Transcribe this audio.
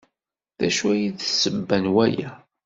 D acu ay d tasebba n waya?